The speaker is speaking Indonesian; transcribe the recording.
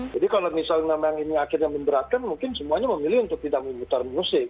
jadi kalau misalnya memang ini akhirnya memberatkan mungkin semuanya memilih untuk tidak memutar musik